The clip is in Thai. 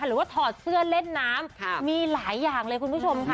หรือว่าถอดเสื้อเล่นน้ำมีหลายอย่างเลยคุณผู้ชมค่ะ